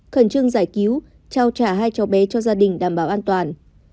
khẩn trương giải cứu trao trả hai cháu bé cho gia đình đảm bảo an toàn